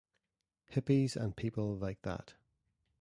Hippies and people like that.